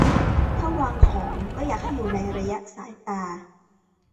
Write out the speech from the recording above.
- ถ้าวางของ ก็อยากให้อยู่ในระยะสายตา